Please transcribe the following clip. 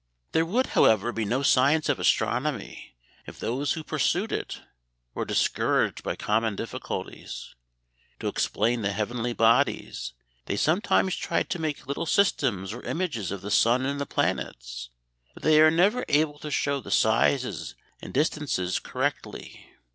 "There would, however, be no science of astronomy if those who pursued it were discouraged by common difficulties. To explain the heavenly bodies they sometimes try to make little systems or images of the sun and the planets; but they are never able to show the sizes and distances correctly.